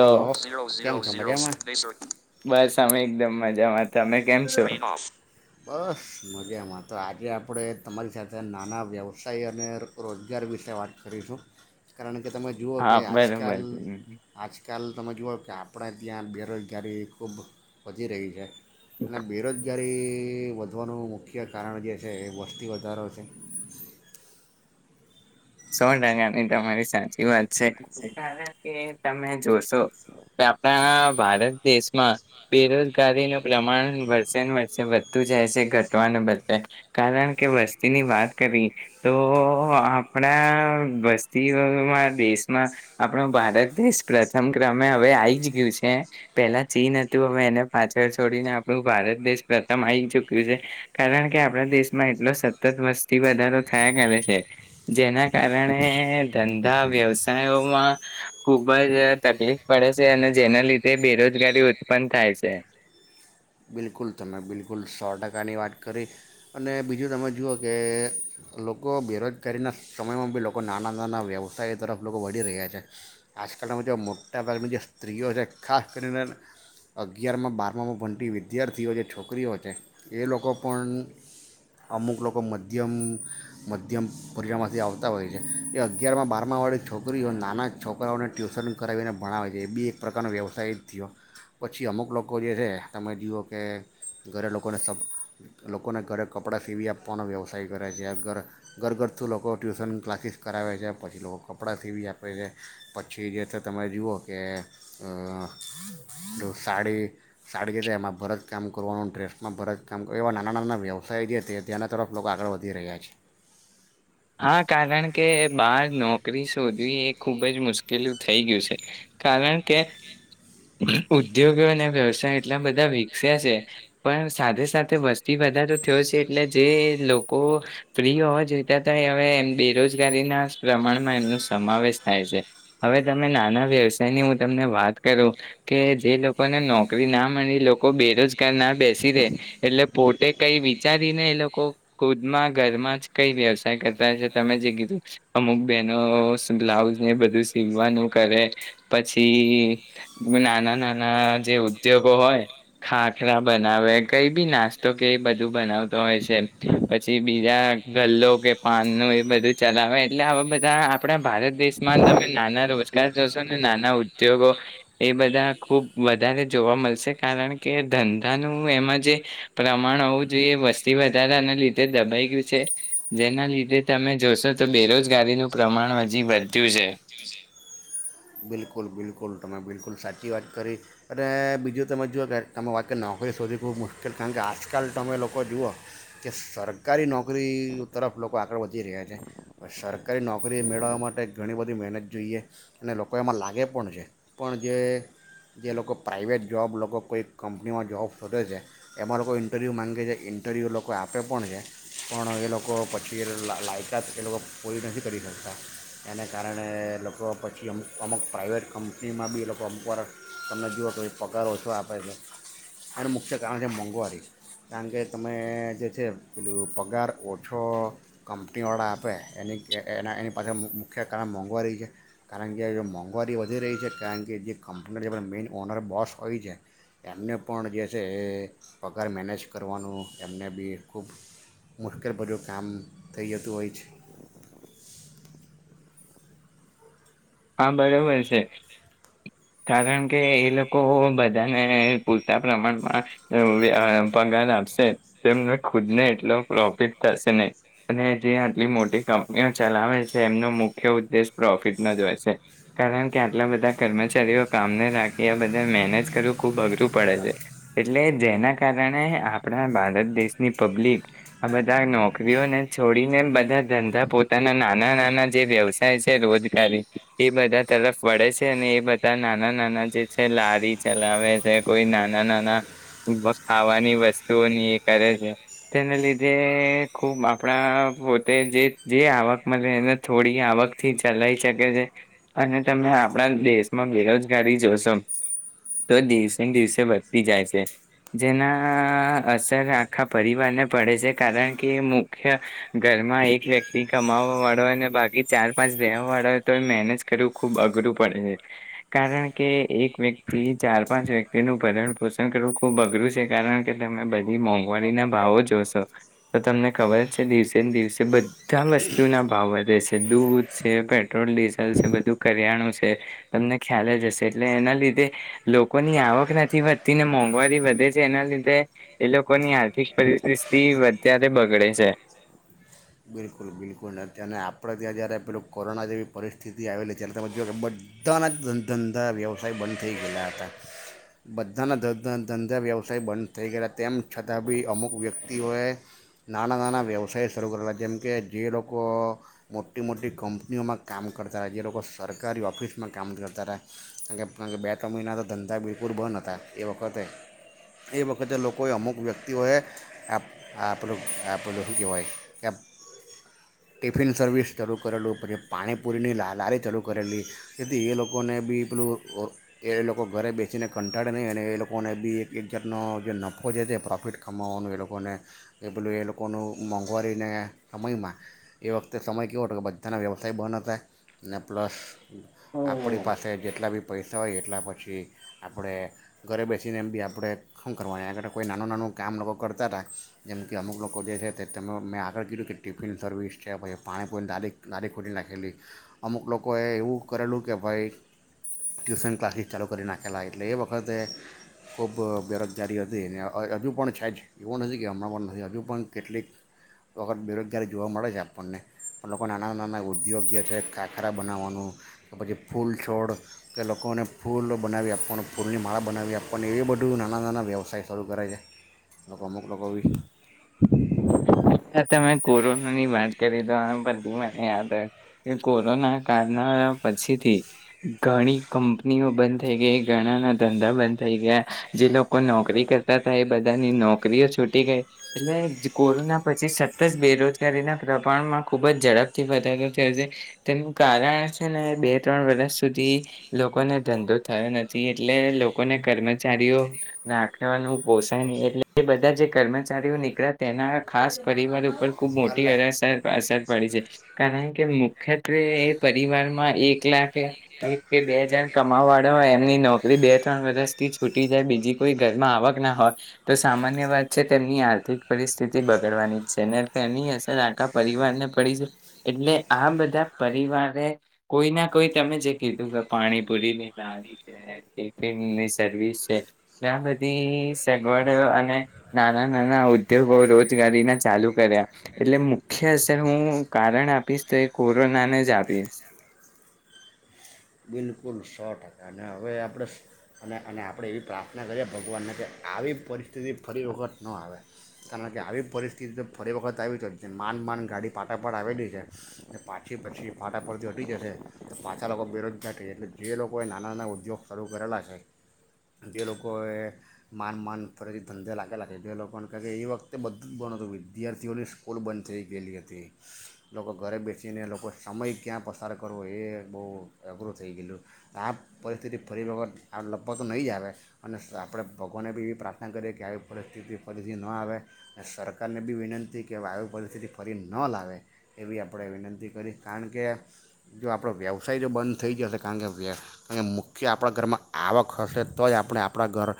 Hello [inaudible] [inaudible] કેમ મજામાં? બસ અમે એકદમ મજામાં. તમે કેમ છો બસ મજામાં તો આજે આપ આપણે તમારી સાથે નાના વ્યવસાય અને રોજગાર વિશે વાત કરીશું. કારણ કે તમે જુઓ કે હા આજકાલ બરોબર આજ કાલ તમે જુઓ કે આપણા ત્યાં બેરોજગારી ખૂબ વધી રહી છે. અને બેરોજગ જગારી વધવાનું મુખ્ય કારણ જે છે એ વસ્તી વધારો છે. સો ટકાની તમારી સાચી વાત છે. કારણ કે તમે જોશો કે આપણા ભારત દેશમાં બેરોજગારીનું પ્રમાણ વર્ષે ને વર્ષે વધતું જાય છે ઘટવાને બદલે કારણ કે વસ્તીની વાત કરી તો આ આપણા વસ્તીઓમાં દેશમાં આપણો ભારત દેશ પ્રથમ ક્રમે હવે આઈ જ ગયું છે. પેલા ચીન હતું હવે એને પાછળ છોડીને આપણું ભારત દેશ પ્રથમ આવી ચુક્યું છે. કારણ કે આપણા દેશમાં એટલો સતત વસ્તી વધારો થયા કરે છે. જેના કારણે ધંધા, વ્યવસાયોમાં ખુબ જ તકલીફ પડે છે. અને જેના લીધે બેરોજગારી ઉત્પન્ન થાય સે. બિલકુલ તમે બિલકુલ સો ટકાની વાત કરી. અને બીજું તમે જુઓ કે લોકો બેરોજગારીના સમયમાં બી લોકો નાના નાના વ્યવસાય તરફ લોકો વળી રહ્યા છે. આજકાલમાં જે મોટાભાગની જે સ્ત્રીઓ છે ખાસ કરીને અગિયારમાં બારમાં માં ભણતી વી વિદ્યાર્થીઓ જે છોકરીઓ છે એ લોકો પણ અમુક લોકો મધ્યમ મધ્યમ પરરીણમાંથી આવતા હોય છે. એ અગિયારમાં બારમાવાળી છોકરીઓ નાના છોકરાઓને ટ્યુશન કરાવીને ભણાવે છે એ બી એક પ્રકારનો વ્યવસાય જ થયો. પછી અમુક લોકો જે છે તમે જુઓ. કે ઘરે લોકોને સબ લોકોને ઘરે કપડાં સીવી આપવાનો વ્યવસાય કરે છે ઘર ઘર ઘરથી લોકો ટ્યુશન ક્લાસીસ કરાવે છે પછી લોકો કપડાં સીવી આપે છે પછી જે છે તમે જુઓ કે સાડી સાડી તો એમાં ભરત કામ કરવાનું ડ્રેસમાં ભરજ કામ કરવા એવા નાના નાના વ્યવસાય જે ધ્યાના તરફ લોકો આગળ વધી રહ્યા છે. હા કારણ કે બાર નોકરી શોધવી એ ખુબ જ મુશ્કેલી થઈ ગયું છે કારણ કે ઉદ્યોગો અને વ્યવસાય એટલા બધા વિકસ્યા છે પણ સાથે સાથે વસ્તી બધા તો થયો છે એટલે જે લોકો ફ્રી હોવા જોઈ. અ હવે એમ બેરોજગારીના પ્રમાણમાં એમનો સમાવેશ થાય છે હવે તમે નાના વ્યવસાયની હું તમને વાત કરું કે જે લોકોને નોકરી ના મળી લોકો બેરોજગાર ના બેસી રહેે એટલે પોતે કઈ વિચારીને એ લોકો ખુદમાં ઘરમાં જ કઈ વ્યવસાય ત જે કીધું અમુક બહેનો બ્લાઉઝને બધું સીવવાનું કરે પછી નાના નાના જે ઉદ્યોગો હોય ખાખરા બનાવે કઈ બી નાસ્તો કે બધું બનાવતો હોય છે પછી બીજા ગલ્લો કે પાન ન એ બધું ચલાવે એટલે આવા બધા આપણા ભારત દેશમાં તમે નાના રોજગાર જોશો ને નાના ઉદ્યોગો એ બધા ખુબ વધારે જોવા મળશે કારણ કે ધંધાનું એમાં જે પ્રમાણ હોવું જોઈએ વસ્તી વધારાના લીધે દબાઈ ગયું છે જે એના લીધે તમે જોશો તો બેરોજગારીનું પ્રમાણ હજી વધ્યું છે. બિલકુલ બિલકુલ તમે બિલકુલ સાચી વાત કરી અને બીજું તમે જુઓ કે તમે વાત કરી નોકરી શોધી ખૂબ મુશ્કેલ કારણ કે આજકાલ તમે લોકો જુઓ કે સરકારી નોકરી તરફ લોકો આગળ વધી રહ્યા છે સરકારી નોકરી મેળવવા માટે ઘણી બધી મહેનત જોઈએ અને લોકો લોકો એમાં લાગે પણ છે પણ જે જે લોકો પ્રાઇવેટ જોૉબ લોકો કોઈ કંપનીમાં જોૉબ શોધે છે એમાં લોકો ઇન્ટરવ્યૂ માગે છે ઇન્ટરવ્યૂ લોકો આપે પણ છે પણ એ લોકો પછી લાયકાત એ લોકો પૂરી નથી કરી શકતા એને કારણે લોકો પછી અમ અમુક પ્રાઇવેટ કંપનીમાં બી એ લોકો અમુક વાર તમને જુઓ તો એ પગાર ઓછો આપે છે અને મુખ્ય કારણ છે મોંઘવારી કારણ કે તમે જે છે પેલું પગાર ઓછો કંપનીવાળા આપે એની એના એની પાછળ મુખ્ય કારણ મોંઘવારી છે કારણ મોંઘવારી વધી રહી છે કારણ કે જે કંપની મેઈન ઓનર બોસ હોય છે એમને પણ જે છે એ પગાર મેનેજ કરવાનું એમને બી ખૂબ મુશ્કેલ બરું કામ થઈ જતું હોય છે. હા બરોબર છે કારણ કે એ લોકો બધાને પૂરતા પ્રમાણમાં પગાર આપશે એને ખુદ ને એટલો પ્રોફિટ થશે નહી અને જે આટલી મોટી કંપનીઓ ચલાવે છે એમનો મુખ્ય ઉદ્દેશ પ્રોફિટ ન જ હોય. કારણ કે આટલા બધા કર્મચારીઓ કામને રાખી આ બધા મેનેજ કરવું ખૂબ અઘરું પડે છે એટલે જેના કારણે આપણા ભારત દેશની પબ્લિક આ બધા નોકરીઓને છોડીને બધા ધંધા પોતાના નાના નાના જે વ્યવસાય છે રોજગારી એ બધા તરફ વળે છે અને એ બધા નાના નાના જે છે લારી ચલાવે છે કોઈ નાના નાના ખાવાની વસ્તુઓની એ કરે છે તેને લીધે ખુબ આપણા પોતે જે આવક મળે એને થોડી આવક થી ચલાવી શકે છે. અને તમે આપણા દેશમાં બેરોજગારી જોશો તો દિવસેને દિવસે વધતી જાય છે જેના અસર આખા પરિવારને પડે છે કારણ કે મુખ્ય ઘરમાં એક વ્યક્તિ કમાવવા વાળો હોયને બાકી ચાર પાંચ દેવા વાળો હોય તો મનજ કરું ખૂબ અઘરું પડે છે કારણ કે એક વ્યક્તિ ચાર પાંચ વ્યક્તિનુંું ભરણ પોષણ કરવું ખૂબ અઘરું છે કારણ કે તમે બધી મોંઘવારીના ભાવો જોશો તો તમને ખબર છે દિવસે ને દિવસે બધા વસ્તુના ભાવ વધે છે દૂધ છે પેટ્રોલ ડીઝલ છે. બું કર્યાણું છે તમને ખ્યાલ જ હશે એટલે એના લીધે લોકોની આવક નથી વધતી ને મોંઘવારી વધે છે એના લીધે એ લોકોની આર્થિક પરિસ્થિતિ વધારે બગડે છે. બિલકુલ બિલકુલ નથી અને આપણે ત્યાં જ્યારે પેલું કોરોના જેવી પરિસ્થિતિ આવેલી ત્યારે તમે જો કે બધાના ધંધા વ્યવસાય બંધ થઈ ગયેલા હતા બધાના ધંધા વ્યવસાય બંધ થઈ ગયેલા તેમ છતાં બી અમુક વ્યક્તિઓએ નાના નાના વ્યવસાય શરૂ કરેલા. જેમકે જે લોકો મોટી મોટી કંપનીઓમાં કામ કરતા હતા્યા જે લોકો સરકારી ઓફિસમાં કામ કરતા હતા્યા કારણ કે કારણ કે બે ત્ર મહિના તો ધંધા બિલકુલ બંધ હતા એ વખતે એ વખતે લોકોએ અમુક વ્યક્તિઓએ આપ આપલું આપેલું શું કહેવાય કે ટિફિન સર્વિસ ચાલુ કરેલું પછી પાણીપુરીની લ લારી ચાલુ કરેલી જેથી એ લોકોને બી પેલું એ લોકો ઘરે બેસીને કંટાળે નહીં અને એ લોકોને બી એક એકજારનો જે નફો છે છે પ્રોફિટ કમાવવાનું એ લોકોને એ પેલું એ લોકોનું મોંઘવારીને સમયમાં એ વખતે સમય કેવો હતો કે બધાના વ્યવસાય બંધ હતા ને પ્લસ આપણી હમ. પાસે જેટલા બી પૈસા હોય એટલા પછી આપણે ઘરે બેસીને એમ બી આપણે શું કરવાનું આગળ કોઈ નાનું નાનું કામ લોકો કરતા હતા જેમ કે અમુક લોકો જે છે તે તમે મેં આગળ કીધું કે ટિફિન સર્વિસ છે પછી પાણીપુઈને દારી દારી ખોટી નાખેલી અમુક લોકોએ એવું કરેલું કે ભાઈ ટ્યુશન ક્લાસીસ ચાલુ કરી નાખેલા એટલે એ વખતે ખૂબ બેરોજગારી હતી અને હજુ પણ છે જ એવું નથી કે હમણાં પણ નથી હજુ પણ કેટલીક વખત બેરોજગ અત્યારે જોવા મળે છે આપણને પણ લોકો નાના નાના ઉદ્યોગ જે છે ખાખરા બનાવવાનું કે પછી ફૂલ છોડ કે લોકોને ફૂલ બનાવી આપવાનું ફૂલની માળા બનાવી આપવાની એવી બધું નાના નાના વ્યવસાય શરૂ કરે છે. લોકો મુક લાવવી. તમે કોરોના ની વાત કરી તો આ બધી મને યાદ આવે કે કોરોના કાળના પછીથી ઘણી કંપનીઓ બંધ થઈ ગઈ ઘણા ના ધંધા બંધ થઈ ગયા જે લોકો નોકરી કરતા થાય બધાની નોકરીઓ છૂટી ગઈ એટલે કોરોના પછી સતત બેરોજગારીના પ્રમાણમાં ખૂબ જ ઝડપથી વધારો થયો છે તેનું કારણ છે ને બે ત્રણ વર્ષ સુધી લોકોને ધંધો થયો નથી એટલે લોકોને કર્મચારીઓ રાખવાનું પોષાય નહીં એટલે એ બધા જે કર્મચારીઓ નીકળ્યા તેના ખાસ પરિવાર ઉપર ખૂબ મોટી ઘરે અસર પડી છે કારણ કે મુખ્યત્વે એ પરિવારમાં એક લાખ કે બે હજાર કમાવા વાળા હોય એમની નોકરી બે ત્રણ વરષથી છૂટી જાય બીજી કોઈ ઘરમાં આવક ના હોય તો સામાન્ય વાત છે તેમની આર્થિક પરિસ્થિતિ ગની છે ને એની અસર આખા પરિવારને પડી છે એટલે આ બધા પરિવારે કોઈ ના કોઈ તમે જે કીધું કે પાણીપુરીની લાડી છે ટિફિનની સર્વિસ છે આ બધી સગવડ અને નાના નાના ઉદ્યોગો રોજ રોજગારી ચાલુ કર્યા એટલે મુ્ય અસર હું કારણ આપીશ તો એ કોરોનાને જ આપીશ. બિલકુલ સો ટકા અને હવે આપણે અને અને આપણે એવી પ્રાર્થના કરીએ ભગવાનને કે આવી પરિસ તેથી ફરી વખત ન આવે કારણ કે આવી પરિસ્થિતિ તો ફરી વખત આવી માન માન ગાડી ફાટાફાટ આવેલી છે ને પાછી પછી ફાટાફડતી હટી જશે તો પાછા લોકો બેરોજગ ઘ એટલે જે લોકોએ નાના નાના ઉદ્યોગ શરૂ કરેલા છે જે લોકોએ માન માન ફરીથી ધંધે લાગેલા છે જે લોકોને કહે કે એ વખતે બધું જ બ હતું વિદ્યાર્થીઓની સ્કૂલ બંધ થઈ ગયેલી હતી લોકો ઘરે બેસીને લોકો સમય ક્યાં પસાર કરવો એ બહુ અઘરું થઈ ગયેલું આ પરિસ્થિતિ ફરી વખત આ લગવા તો નહીં જ આવે અને આપણે ભગવાને બી એવી પ્રાર્થના કરીએ કે આવી પરિસ્થિતિ ફરીથી ન આવે અને સરકારને બી વિનંતી કે આવી પરિસ્થિતિ ફરી ન લાવે એવી આપણે વિનંતી કરી કારણ કે જો આપણો વ્યવસાય જો બંધ થઈ જશે કારણ કે વ કારણ મુખ્ય આપણા ઘરમાં આવક હશે તો જ આપણે આપણા ઘર